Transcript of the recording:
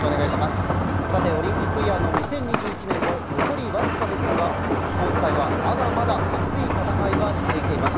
さてオリンピックイヤーの２０２１年も残りわずかですがスポーツ界は、まだまだ熱い戦いが続いています。